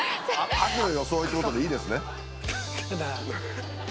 秋の装いってことでいいですね？